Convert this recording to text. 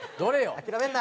諦めるな！